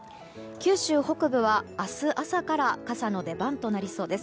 九州北部は明日朝から傘の出番となりそうです。